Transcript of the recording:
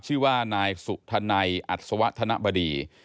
ชื่อว่านายสุธนัยอัศวะธนบดี